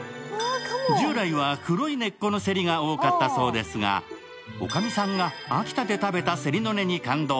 従来は黒い根っこのせりが多かったそうですが、おかみさんが秋田で食べたせりの根に感動。